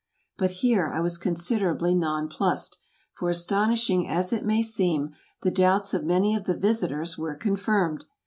But here I was considerably nonplussed, for astonishing as it may seem, the doubts of many of the visitors were confirmed!